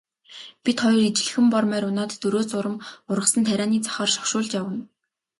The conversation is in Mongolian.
Бид хоёр ижилхэн бор морь унаад дөрөө зурам ургасан тарианы захаар шогшуулж явна.